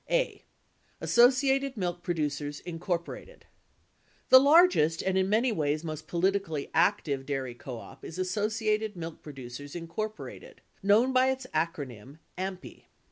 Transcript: A. AssociATEn Milk Producers, Inc. The largest and, in many Avays, most politically active dairy co op is Associated Milk Producers, Inc., knoivn by its acronym "AMPI."